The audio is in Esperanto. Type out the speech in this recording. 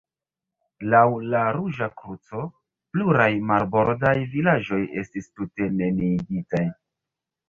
Laŭ la Ruĝa Kruco, pluraj marbordaj vilaĝoj estis tute neniigitaj.